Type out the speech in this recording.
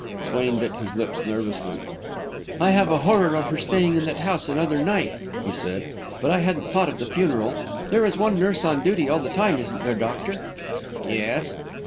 Swain bit his lips nervously. "I have a horror of her staying in that house another night," he said; "but I hadn't thought of the funeral. There is one nurse on duty all the time, isn't there, doctor?" "Yes."